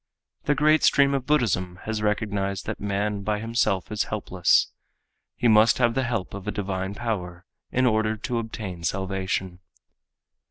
The great stream of Buddhism has recognized that man by himself is helpless. He must have the help of a divine power in order to obtain salvation.